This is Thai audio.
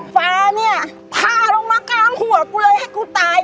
ฟ้าเนี่ยพาลงมากลางหัวกูเลยให้กูตาย